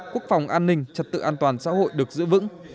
quốc phòng an ninh trật tự an toàn xã hội được giữ vững